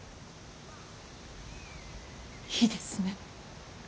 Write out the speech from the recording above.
いいですね。